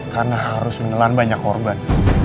karena harus menelan banyak korban